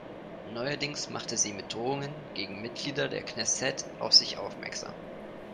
Neuerdings machte sie mit Drohungen gegen Mitglieder der Knesset auf sich aufmerksam.